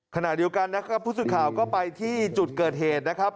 ขณะเดียวกันนะครับผู้สื่อข่าวก็ไปที่จุดเกิดเหตุนะครับ